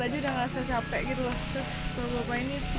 jadi gue mau ngerasa capek